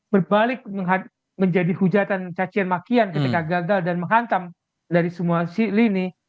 berbalik menjadi hujatan cacian makian ketika gagal dan menghantam dari semua si lini